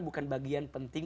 bukan bagian penting